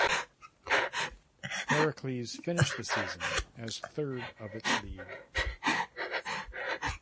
Heracles finished the season as third of its league.